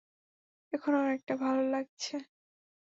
এখন অনেকটা ভালো লাগছে।